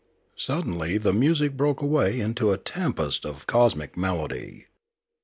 Suddenly the music broke away into a tempest of cosmic melody.